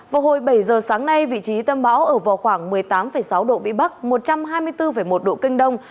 vào hồi bảy giờ sáng nay vị trí tâm bão ở vào khoảng một mươi tám sáu độ vĩ bắc một trăm hai mươi bốn một độ kinh đông